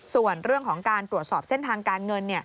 ส่วนเรื่องของการตรวจสอบเส้นทางการเงิน